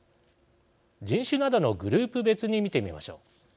人種などのグループ別に見てみましょう。